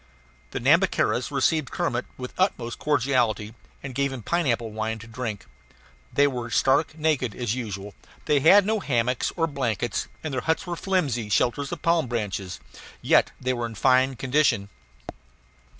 The Nhambiquaras received Kermit with the utmost cordiality, and gave him pineapple wine to drink. They were stark naked as usual; they had no hammocks or blankets, and their huts were flimsy shelters of palm branches. Yet they were in fine condition.